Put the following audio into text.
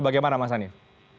bagaimana mas hanif